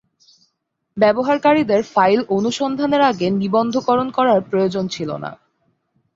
ব্যবহারকারীদের ফাইল অনুসন্ধানের আগে নিবন্ধকরণ করার প্রয়োজন ছিল না।